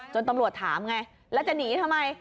ตำรวจถามไงแล้วจะหนีทำไม